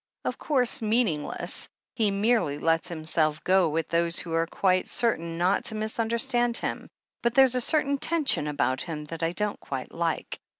Of course, meaningless — ^he merely lets himself go with those who are quite certain not to misunderstand him — ^but there's a certain tension about him that I don't quite like.